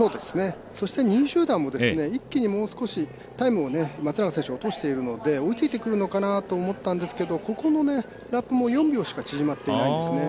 そして２位集団も一気にもう少しタイムを松永選手、落としているので追いついてくるのかなと思ったんですけどここのラップも４秒しか縮まっていないんですね。